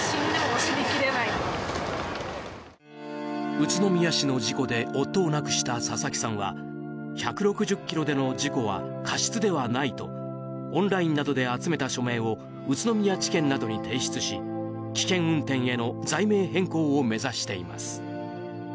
宇都宮市の事故で夫を亡くした佐々木さんは１６０キロでの事故は過失ではないとオンラインなどで集めた署名を宇都宮地検などに提出し危険運転への罪名変更を目指しています。